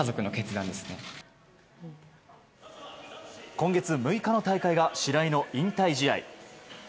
今月６日の大会が白井の引退試合。